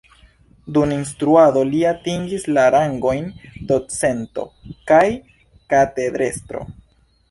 Dum instruado li atingis la rangojn docento kaj katedrestro.